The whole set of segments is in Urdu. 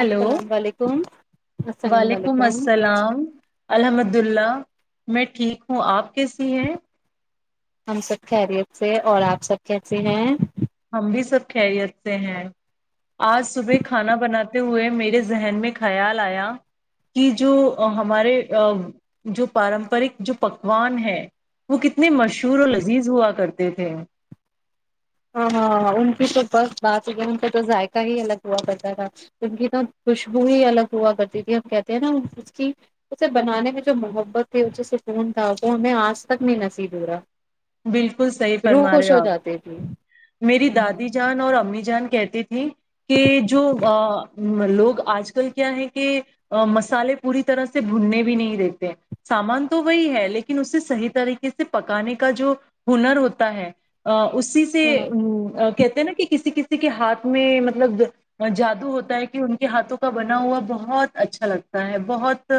ہیلو السلام و علیکم السلام و علیکم عبد اللہ میں ٹھیک ہوں آپ کیسی ہیں ہم سب خیریت سے اور آپ سب کیسے ہیں ہم بھی سب خیریت سے ہیں آج صبح کھانا بناتے ہوئے میرے ذہن میں خیال آیا کہ جو ہمارے جو پارمپرک جو پکوان ہیں وہ کتنے مشہور اور لذیذ ہوا کرتے تھے ہاں ہاں ان کی تو بس بات ہی ہے ان کا تو ذائقہ ہی الگ ہوا کرتا تھا ان کی تو خوشبو ہی الگ ہوا کرتی تھی ہم کہتے ہیں نا اس کی اسے بنانے میں جو محبت تھی سکون تھا وہ ہمیں آج تک نہیں نصیب رہا بالکل صحیح روح فرما خوش رہے ہو آپ جاتی تھی میری دادی جان اور امی جان کہتی تھی کہ جو لوگ آج کل کیا ہے کہ مسالے پوری طرح سے بھننے بھی نہیں دیتے سامان تو وہی ہے لیکن اسے صحیح طریقے سے پکانے کا جو ہنر ہوتا ہے اس کی سے ہاں ا کہتے ہیں نا کہ کسی کسی کے ہاتھ میں مطلب جادو ہوتا ہے کہ ان کے ہاتھوں کا بنا ہوا بہت اچھا لگتا ہے بہت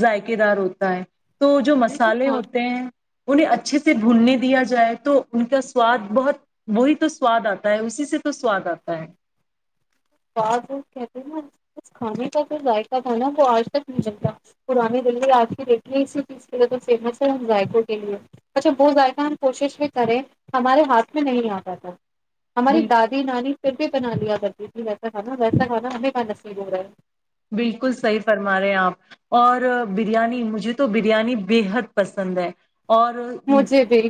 ذائقے دار ہوتا ہے تو جو وہ مسالے کھا ہوتے ہیں انہیں اچھے سے بھونڈنے دیا جائے تو ان کا سواد بہت وہی تو سواد آتا ہے اسی سے تو سواد آتا ہے ب وہ کہتے ہیں نا اس کھانے کا جو ذائقہ تھا نا وہ آج تک نہیں جلتا پرانی دللی آج کی دیکھیے اسی چیز کے فیمس ہے ہم ذائقوں کے لیے اچھا وہ ذائقہ ہم کوشش بھی کریں ہمارے ہاتھ میں نہیں آتا تھا ہماری بال دادی نانی پھر بھی بنا دیاتاری جی ویسا کھانا ویسا کھانا ہمیں کا نصیب ہو رہا ہے بالکل صحیح فرما رہے ہیں آپ اور بریانی مجھے تو بریانی بےحد پسند ہے اور مجھے بھی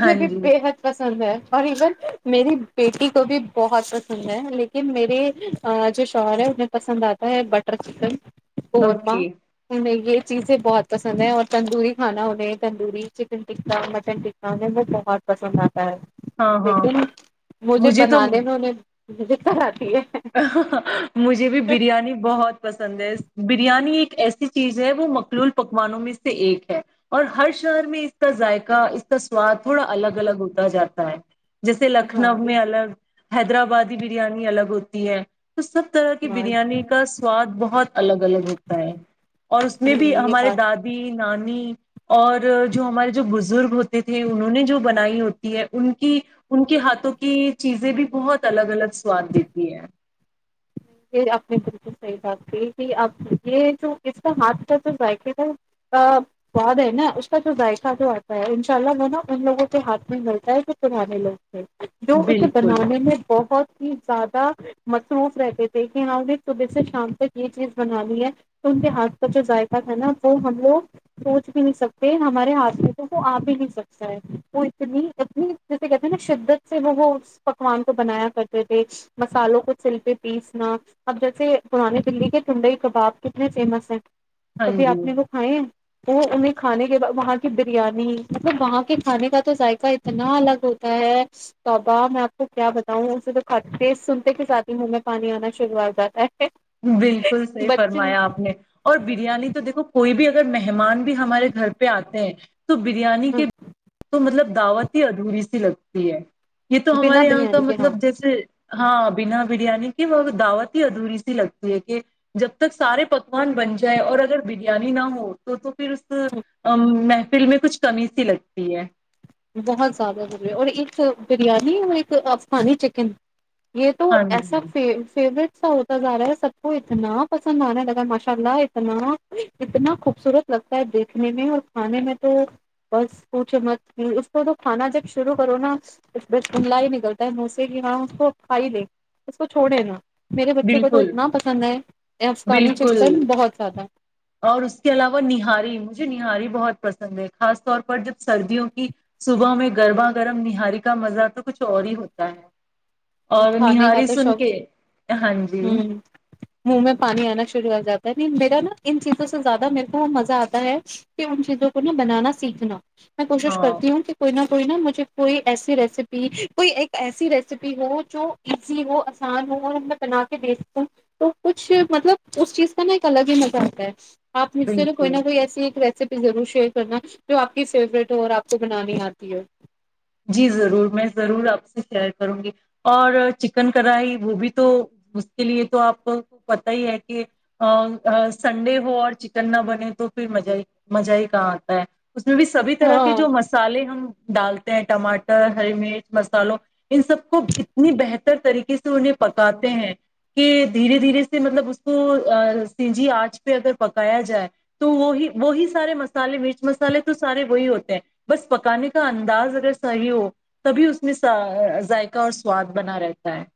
ہاں بھی جی بےحد پسند ہے اور ایون میری بیٹی کو بھی بہت پسند ہے لیکن میرے جو شوہر ہے انہیں پسند آتا ہے بٹر چکن اورورمہ اوکے ہ م یہ چیزیں بہت پسند ہے اور تندوری کھانا انہیں تندوری ن ٹکا مٹن ٹکا م بہت پسند آ ہاں ہاں لیکن مجھے بنانے میں انہیں وز کرر مجھے بھی بریانی بہت پسند سدیش بریانی ایک ایسی چیز ہے وہ مقلول پکوانوں میں سے ایک ہے اور ہر شہر میں اس کا ذائقہ اس کا سواد تھوڑا الگ الگ ہوتا جاتا ہے جیسے ہاں لکھنؤ میں اس الگ حیدرآبادی بریانی الگ ہوتی تی ہے تو سب طرح کی ہاں بریانی کا سواد بہت الگ الگ ہوتا ہے اور اس میں نہیں بھی نہیں یہ ہمارے بات دادی نانی اور جو ہمارے جو بزرگ ہوتے تھے انہوں نے جو بنائی ہوتی ہے ان کی ان کے ہاتھوں کی چیزیں بھی بہت الگ الگ سواد دیتی [inaudible] یہ اپنے بال کو صحیح بات کی کہ اب یہ جو اس کا ہاتھ کا جو ذائقے کا سواد ہے نا اس کا جو ذائقہ جو آتا ہے انشاء اللہ وہ نا ان لوگوں کے ہاتھ میں ملتا ہے جو پرانے لوگ جو اسے بالکل بنانے میں بہت ہی زیادہ مصروف رہتے تھ ہماں ا صبح سے شام تک یہ چیز بنانی ہے تو ان کے ہاتھ کا جو ذائقہ تھا نا وہ ہم لوگ سوچ بھی نہیں سکتے ہمارے ہاتھ میں تو وہ آ بھی نہیں سکتا ہے وہ اتنی اتنی جیسے کہتے ہیں نا شدت سے وہ وہ اس پکوان کو بنایا کرتے تھے مسالوں کو سل پے پیس اب جیسے پرانے دلی کے ٹنڈئی کباب کتنے فیمس ہیں ہاں کبھی جی آپ نے وہ کھائے ہیں وہ انہیں کھانے کے بعد وہاں کی بریانی مطلب وہاں کے کھانے کا تو ذائقہ اتنا الگ ہوتا ہے توابا میں آپ کو کیا بتاؤں اسے تو ٹیسٹ سنتے کے ساتھ ہی ہن میں پانی آنا [unintelligible] شروعاتا ہے [unintelligible] بالکل صحیح بچے فرمایا آپ نے اور بریانی تو دیکھو کوئی بھی [unintelligible] اگر مہمان بھی ہمارے گھر پہ آتے ہیں [unintelligible] تو بریانی کے تو مطلب [unintelligible] دعوت ہی ادھوری سی لگتی ہے یہ تو بنا ہمارے یہاں کا بریانی کے ہاں مطلب جیسے [unintelligible] ہاں بنا بریانی کی وہ دعوت ہی ادھوری [unintelligible] لگتی ہے کہ جب تک سارے پکوان بن جائے اور اگر بریانی نہ ہو تو پھر اس ا میں [unintelligible] فل میں کچھ کمی سی لگتی ہے بہت زیادہ ضر ہے اور ایک بریانی اور ایک آفسانی چکن [unintelligible] یہ تو ہاں ایسا جی ف فیوریٹ [unintelligible] ا ہوتا جا رہا ہے سب کو اتنا پسند آنے لگ رہا ہے ماشاء اللہ اتنا اتنا خوبصورت لگتا ہے دیکھنے میں اور کھانے میں تو بس اچمچ اس کو تو کھانا جب شروع کرو نا اس ب ملہ ہی نکلتا ہے مسے کی ہاں اس کو کھائی دے اس کو چھوڑے نا [unintelligible] بچوں کو تو بالکل اتنا پسند ہے افغانی بالکل چکن بہت زیادہ اور اس کے علاوہ نہاری مجھے نہاری بہ بہت پسند ہے خاص طور پر جب سردیوں کی صبح میں گرما گرم نہاری کا مزہ تو کچھ اور ہی ہوتا ہے اور کھانے کا نہاری تو سن شوق کے ہاں جی ہوں منہ میں پانی آنا شروع ہو [unintelligible] جات میرا نا ان چیزوں سے زیادہ میرے کو مزہ آتا ہے کہ ان چیزوں کو نا بنانا سیکھنا [unintelligible] میں کوشش ہاں کرتی ہوں کہ کوئی نہ کوئی نا مجھے کوئی ایسی ریسیپی کوئی ایک ایسی ریسیپی ہو [unintelligible] جو ایزی ہو آسان ہو اور میں بنا کے دیکھتی ہوں تو کچھ مطلب اس چیز کا نا ایک الگ ہی مزہ ہوتا ہے [unintelligible] آپ م سےر کوئی نہ بالکل کوئی ایسی ایک ریسیپی [unintelligible] ضرور شیئر کرنا جو آپ کی فیورٹ ہو اور آپ کو بنانی آتی ہے [unintelligible] جی ضرور میں ضرور آپ سے شیئر کروں گی اور چکن کڑھائی وہ بھی تو اس کے لیے تو آپ کو پتا ہی ہے کہ سنڈے ہو اور چکن نہ بنے تو پھر مہ ہی مزہ ہی کہاں آتا ہے اس میں بھی سبھی طرح کے ہاں جو مسالے ہم [unintelligible] دال [unintelligible] ٹماٹر ہری مرچ مسالو ان سب کو اتنی بہتر طریقے سے انہیں پکاتے ہیں کہ دھیرے دھیرے سے مطلب اس کو سجی آنچ پہ اگر پکایا جائے تو وہ وہی سارے مسالے مرچ مسالے تو سارے وہی ہوتے ہیں بس پکانے کا انداز صحیح ہو تبھی اس میں ذائقہ اور سواد بنا رہتا ہے [unintelligible]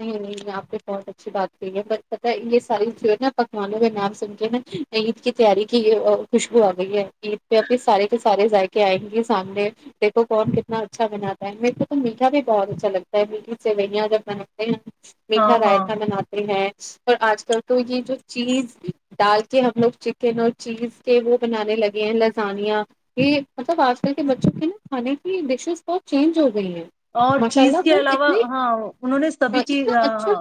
نہیں نہیں آپ پ بہت اچھی بات کہی ہے بس پت یہ ساری جو نا پکوانوں کا نام سن کے نا عید کی تیاری کی خوشبو آ گئی ہے عید پہ انے سارے کے سارے ذائقے آئیں گے سامنے دیکھو کون کتنا اچھا بناتا ہے میرے کو تو میٹھا بھی بہت اچھا لگتا ہے میٹھی سے وہیاں جب [unintelligible] ایک [unintelligible] ہاں میٹھا ہاں رائتا بناتتے ہیں [unintelligible] اور آج کل تو یہ جو چیز ڈال کے ہم لوگ چکن اور چیز کے وہ بنانے لگے ہیں لذانیاں یہ مطلب آج کل کے بچوں کے نا کھانے کی ڈشیز بہت چینج ہو گئی ہیں [unintelligible] اور ماشاء چیز اللہ کے وہ علاوہ اتنے ہاں انہوں نے سبھی [unintelligible] جز اتنا ہاں اچھا ہاں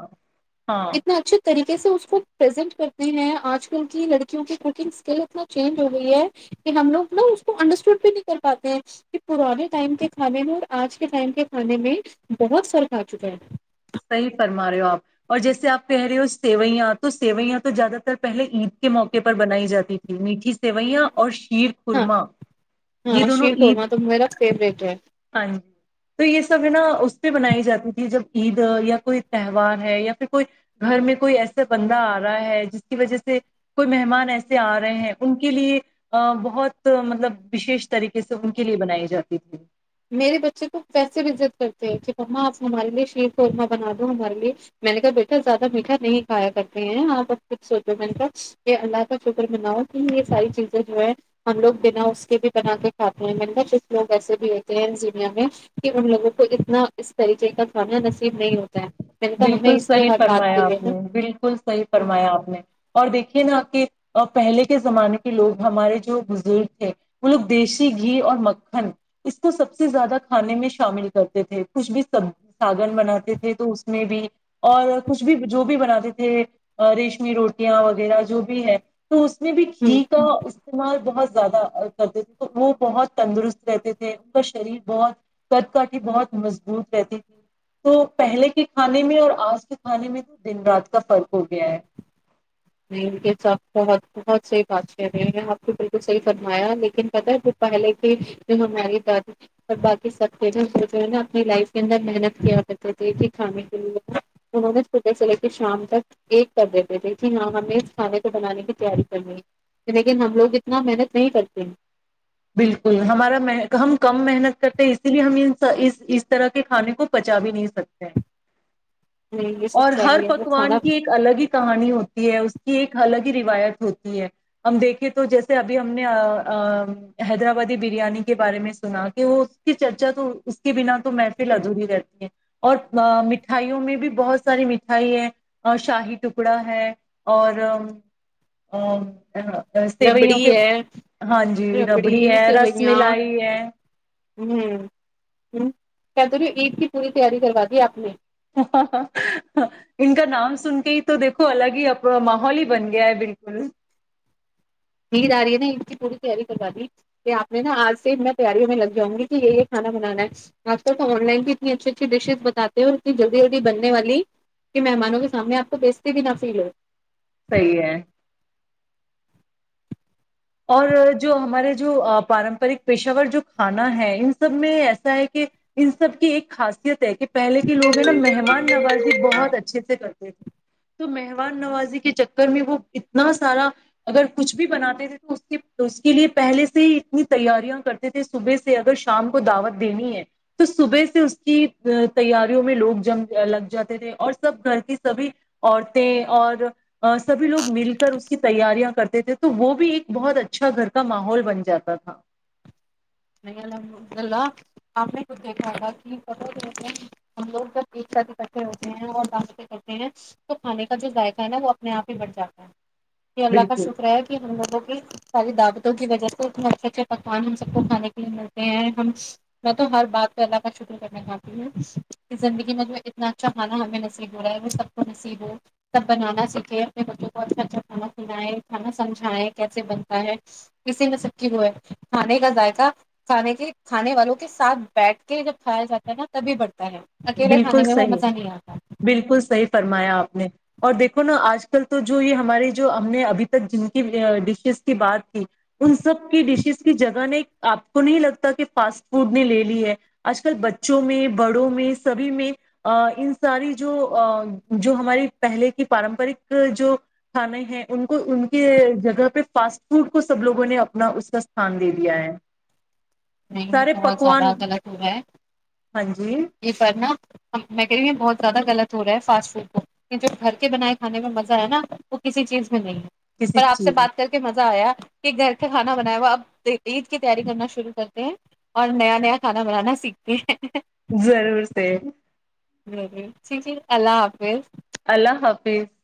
ہاں [unintelligible] اتنا اچھے طریقے سے اس کو پرزینٹ کرتے ہیں آج کل کی لڑکیوں کی کوکنگ اسکل اتنا چینج ہو گئی ہے کہ ہم لوگ نا اس کو انڈرسٹینڈ بھی نہیں کر پاتے ہیں کہ پرانے ٹائم کے کھانے میں اور آج کے ٹائم کے کھانے میں بہت فرق آ چکا ہے صحیح فرما رہے ہو آپ اور جیسے آپ کہہ رہے ہو سیوئیاں تو سیوئیاں تو زیادہ تر پہلے عید کے موقع پر بنائی جاتی تھی میٹھی سوئیاں اور شیر ہاں خورما یہ ہاں دونوں شیر عید قورمہ تو میرا فیوریٹ ہے ہاں جی تو یہ سب ہے نا اس بنائی جاتی تھی جب عید یا کوئی تہوار ہے یا پھر کوئی گھر میں کوئی ایسا بندہ آ رہا ہے جس کی وجہ سے کوئی مہمان ایسے آ رہے ہیں ان کے لیے بہت مطلب وشیش طریقے سے ان کے لیے بنائی جاتی تھی میرے بچے کو ویسے بھیضت کرتے ہیں کہ پما آپ ہمارے لیے شیر قورمہ بنا دو ہمارے لیے میں نے کہا بیٹا زیادہ میٹھا نہیں کھایا کرتے ہیں آپ ا خھ سوچو میں نے کہا یہ اللہ کا شکر بناؤ کہ یہ ساری چیزیں جو ہے ہم لوگ بنا اس کے بھی بنا کے کھاتے ہیں میں نے کہا کچھ لوگ ایسے بھی ہے دنیا میں کہ ان لوگوں کو اتنا اس طریقے کا کھانا نصیب نہیں ہوتا ہے میں نے کہا ہمیں بالکل اس لیے صحیح ہر بات فرمایا کے لیے آپ نا نے بالکل صحیح فرمایا آپ نے اور دیکھیے نا آپ کہ اور پہلے کے زمانے کے لوگ ہمارے جو بزرگ تھے وہ لوگ دیسی گھی اور مکھن اس کو سب سے زیادہ کھانے میں شامل کرتے تھے کچھ بھی سب ساگن بناتے تھے تو میں بھی اور کچھ بھی جو بھی بناتے تھے ریشمی روٹیاں وغیرہ جو بھی ہے تو اس میں بھی ہوں کھی کا استعمال بہت زدہ کرتے تھے تو وہ بہت تندرست رہتے تھے ان کا شریر بہت کدکٹ بہت مضبوط رہتی تھی تو پہلے کے کھانے میں اور آج کے کھانے میں تو دن رات کا فرق ہو گیا ہے نہیں یہ سب بہت بہت سحی باتشاہ میں نے آپ کو بالکل صحیح فرمایا لیکن پتہ ہے جو پہلے کے جو ہماری دادی اور باقی سب تھے نا جو ہے نا اپنی لائف کے اندر محنت کیا کرتے تھے کھانے کے لیے انہوں نے صبح سے لے کے شام تک ایک کر دیتے تھے جی ہاں ہم نے اس کھانے کو بنانے کی تیاری کرنی ہے لیکن ہم لوگ اتنا محنت نہیں کرتے ہیں بالکل ہمارا ہم کم محنت کرتے ہیں اسی لیے ہم اس طرح کے کھانے کو پچا بھی نہیں سکتے نہیں یہ سب اور ہر چاہیے وہ پکوان کھانا کی ایک الگ ہی کہانی ہوتی ہے اس کی ایک الگ ہی روایت ہوتی ہے ہم دیکھیں تو جیسے ابھی ہم نے حیدرآبادی بریانی کے بارے میں سنا کہ وہ اس کی چرچا تو اس کے بنا تو محفل ادھوری رہتی ہے اور مٹھائیوں میں بھی بہت ساری مٹھائی ہے شاہی ٹکڑا ہے اور سوئی ہو پ ہاں جی کبڑی ربڑی ہے رس سوئیا ملائی ہے ہ ہ کیا تو رہی عید کی پوری تیاری کروا دی آپ نے ہاں ان کا نام سن کے ہی تو دیکھو الگ ہی ماحول ہی بن گیا ہے بالکل ج آ رہی ہے نا ان کی پوری تیاری کروا دی کہ آپ نے نا آج سے میں تیاریوں میں لگ جاؤں گی کہ یہ یہ کھانا بنانا ہے آپ ط آن لائن بھی اتنی اچھی اچھی ڈشز بتاتے ہیں اور اتنی جلدی جلدی بننے والی کہ مہمانوں کے سامنے آپ کو بیچتے بھی نہ فیل ہو صحی ہے اور جو ہمارے جو پارمپرک پیشاور جو کھانا ہے ان سب میں ایسا ہے کہ ان سب کی ایک خاصیت ہے کہ پہلے کے لوگ ہیں نا مہمان نوازی بہت اچھے سے کرتے تھے تو مہمان نوازی کے چکر میں وہ اتنا سارا اگر کچھ بھی بناتے تھے اس کے لیے پہلے سے ہی اتنی تیاریاں کرتے تھے صبح سے اگر شام کو دعوت دینی ہے تو صبح سے اس کی تیاریوں میں لوگ جم لگ جاتے تھے اور سب گھر کی سبھی عورتیں اور سبھی لوگ مل کر اس کی تیاریاں کرتے تھے تو وہ بھی ایک بہت اچھا گھر کا ماحول بن جاتا تھا نہیں الحمدلہ آپ نے خود دیکھا تھاا کہ ہم لوگ جب ایک ساتھ اکٹھے ہوتے ہیں اور دانتے کرتے ہیں تو کھانے کا جو ذائقہ ہے نا وہ اپنے آپ ہی بٹ جاتا ہے جی اللہ کا بالکل شکر ہے کہ ہم لوگوں کو ساری دعوتوں کی وجہ سے اتنے اچھے اچھے پکوان ہم سب کو کھان کے ہم میں تو ہر بات پہ اللہ کا شکر کرنا چاہتی ہوں زندگی میں جو اتنا اچھا کھانا ہمیں نصیب ہو رہا ہے وہ سب کو نصیب ہو سب بنانا سیکھے اپنے بچوں کو اچھا اچھا کھانا کھنائے کھانا سمجھائیں کیسے بنتا ہے اسی میں سب کی وہ ہے کھانے کا ذائقہ کھانے کے کھانے والوں کے ساتھ بیٹھ کے جب کھایا جاتا ہے نا تبھی بڑ بالکل صحیح بالکل صحیح فرمایا آپ نے اور دیکھو نا آج کل تو جو یہ ہمارے جو ہم نے ابھی تک جن کی ڈشز کی بات ان سب کی ڈشز جگہ نے آپ کو نہیں لگتا کہ فاسٹ فوڈ نے لے لی ہے آج کل بچوں میں بڑوں میں سبھی میں ان ساری جو جو ہماری پہلے کی پارمپرک جو کھانے ہیں ان کو ان کے جگہ پہ فاسٹ فوڈ کو سب لوگوں نے اپنا اس کا ستھان دے دیا ہے نہیں یہ سارے بہت زیادہ پکوان غلط ہو رہا ہے ہاں جی یہ فنا [unintelligible] میں کہ بہت زیادہ غلط ہو رہا ہے فاسٹ فوڈ کو جو گھر کے بنائے کھے میں مزہ ہے نا وہ کسی چیز [unintelligible] نہیں کسی پر آپ سے بات چیز کر کے مزہ آیا [unintelligible] گھر سے کھانا بنایا ہوا اب عید کی تیاری کرنا شروع کر اور نیا نیا کھانا بنانا سیکھتی ہیں [unintelligible] ضرور سے [unintelligible] ضر ٹھیک ہے اللہ حافظ [unintelligible] اللہ حافظ [unintelligible]